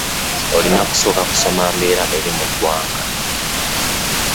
Olina kusooka kusoma mbeera eri mu ggwanga.